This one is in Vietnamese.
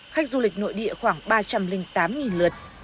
khách du lịch nội địa khoảng ba trăm linh tám lượt